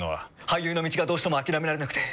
俳優の道がどうしても諦められなくて。